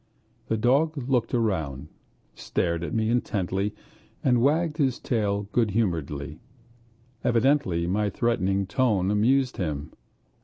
The dog looked round, stared at me intently, and wagged his tail good humoredly. Evidently my threatening tone amused him.